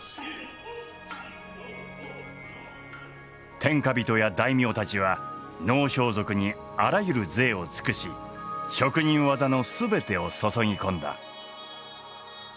天下人や大名たちは能装束にあらゆる贅を尽くし職人技の全てを注ぎ込んだ。